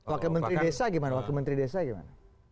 wakil menteri desa gimana